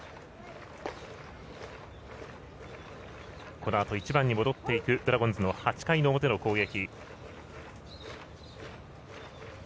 このあと１番に戻っていくドラゴンズの８回の表の攻撃。